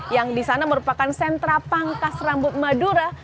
yang di sana merupakan sentra pangkas rambut madura